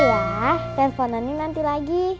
udah ya telfonan ini nanti lagi